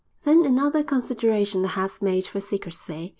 Then another consideration that has made for secrecy.